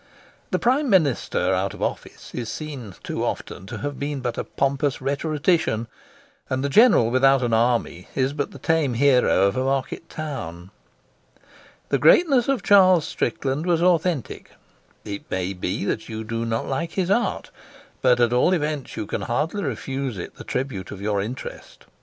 The Prime Minister out of office is seen, too often, to have been but a pompous rhetorician, and the General without an army is but the tame hero of a market town. The greatness of Charles Strickland was authentic. It may be that you do not like his art, but at all events you can hardly refuse it the tribute of your interest.